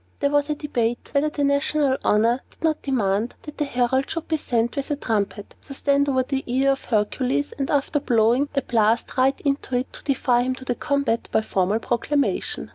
There was a debate whether the national honor did not demand that a herald should be sent with a trumpet, to stand over the ear of Hercules, and after blowing a blast right into it, to defy him to the combat by formal proclamation.